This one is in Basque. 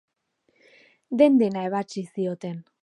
Den-dena ebatsi zioten.